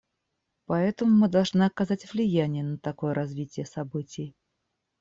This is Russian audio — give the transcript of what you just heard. Поэтому мы должны оказать влияние на такое развитие событий.